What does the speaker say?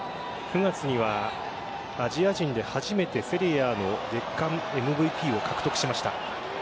９月にはアジア人で初めて、セリエＡの月間ＭＶＰを獲得しました。